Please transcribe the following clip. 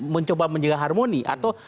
mencoba menjaga harmoni atau